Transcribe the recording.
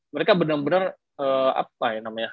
mereka benar benar apa ya namanya